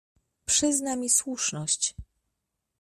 "Przyzna mi słuszność."